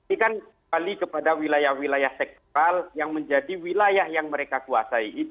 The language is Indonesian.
ini kan kembali kepada wilayah wilayah sektoral yang menjadi wilayah yang mereka kuasai